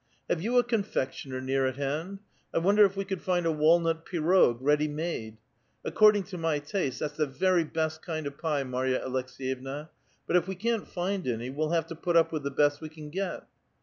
" Have you a confectioner near at hand? I wonder if we could find a walnut pirog ready made. According to my taste that's the very best kind of pie, Marya Aleks^yevna ; but if we can't find any, we'll have to put up with the best we can get."